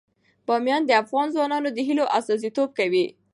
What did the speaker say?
بامیان د افغان ځوانانو د هیلو استازیتوب کوي.